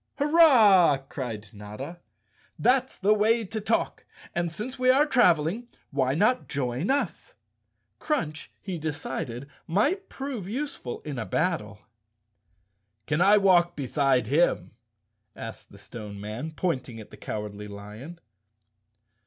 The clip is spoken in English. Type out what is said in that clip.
"Hurrah!" cried Notta. "That's the way to talk. And since we are traveling, why not join us?" Crunch, he decided, might prove useful in a battle. "Can I walk beside him?" asked the Stone Man, pointing at the Cowardly Lion.